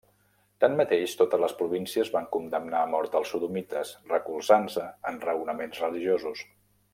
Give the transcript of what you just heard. Tanmateix totes les províncies van condemnar a mort als sodomites, recolzant-se en raonaments religiosos.